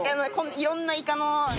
いろんなイカの。